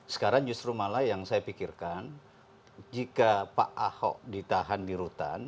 sekarang justru malah yang saya pikirkan jika pak ahok ditahan di rutan